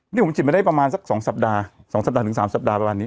นี่ผมฉีดมาได้ประมาณสัก๒สัปดาห์๒สัปดาห์ถึง๓สัปดาห์ประมาณนี้